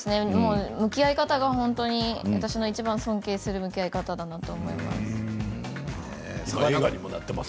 向き合い方が私のいちばん尊敬する向き合い方だなと思います。